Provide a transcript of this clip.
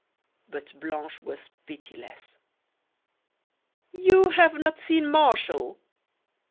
But Blanche was pitiless. "You have not seen Martial!